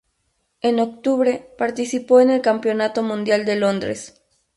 En octubre participó en el Campeonato Mundial de Londres.